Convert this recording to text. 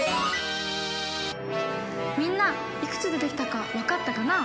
みんないくつ出てきたかわかったかな？